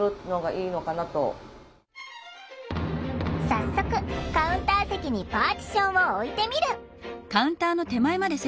早速カウンター席にパーティションを置いてみる。